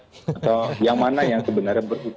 atau yang mana yang sebenarnya